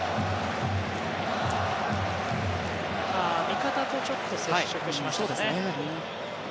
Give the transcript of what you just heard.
味方とちょっと接触しましたね。